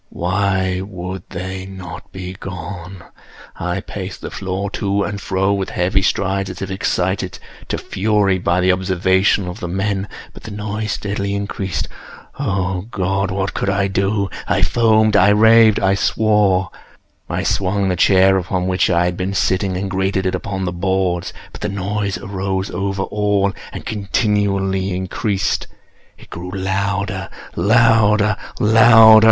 Why would they not be gone? I paced the floor to and fro with heavy strides, as if excited to fury by the observations of the men—but the noise steadily increased. Oh God! what could I do? I foamed—I raved—I swore! I swung the chair upon which I had been sitting, and grated it upon the boards, but the noise arose over all and continually increased. It grew louder—louder—louder!